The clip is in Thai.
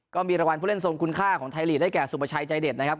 ก็มีรางวัลผู้เล่นทรงคุณค่าของไทยลีกได้แก่สุประชัยใจเด็ดนะครับ